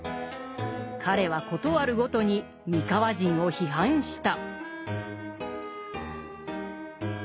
彼は事あるごとに三河人を批判した。